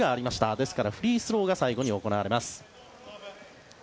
ですから、フリースローが最後に行われます。